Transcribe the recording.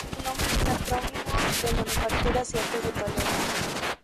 Su nombre es un acrónimo de Manufacturas y Artes de Toledo.